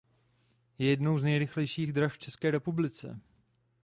Je jednou z nejrychlejších drah v České republice.